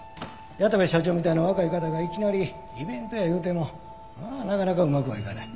矢田部社長みたいな若い方がいきなりイベントや言うてもなかなかうまくはいかない。